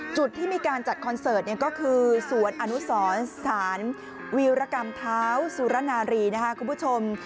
จุดที่มีการจัดคอนเสิร์ตก็คือสวนอนุสรสารวีรกรรมเท้าสุรนารีนะครับคุณผู้ชม